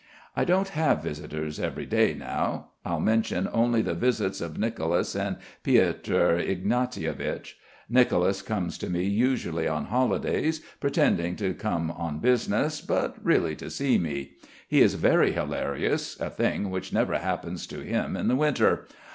I don't have visitors everyday now. I'll mention only the visits of Nicolas and Piotr Ignatievich. Nicolas comes to me usually on holidays, pretending to come on business, but really to see me. He is very hilarious, a thing which never happens to him in the winter.